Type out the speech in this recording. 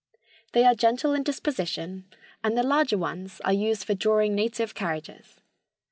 They are gentle in disposition and the larger ones are used for drawing native carriages.